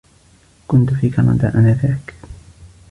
كنتُ في كندا آنذاك.